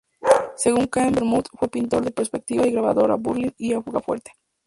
Según Ceán Bermúdez fue pintor de perspectivas y grabador a buril y aguafuerte.